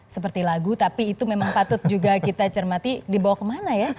seperti lagu tapi itu memang patut juga kita cermati dibawa kemana ya